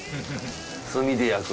炭で焼く。